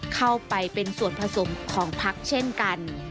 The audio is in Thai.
เข้าไปเป็นส่วนผสมของพักเช่นกัน